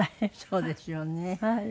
そうですよね。